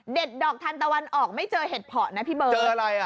เด็ดดอกทานตะวันออกไม่เจอเห็ดเพราะนะพี่เบิร์ด